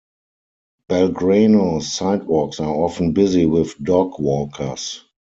Belgrano's sidewalks are often busy with dog walkers.